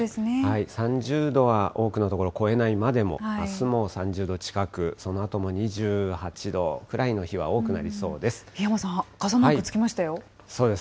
３０度は多くの所、超えないまでも、あすも３０度近く、そのあとも２８度くらいの日は多くなりそうです。